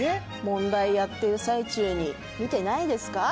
問題やってる最中に見てないですか？